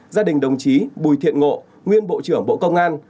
gia đình đồng chí bùi thiện ngộ nguyên bộ trưởng bộ công an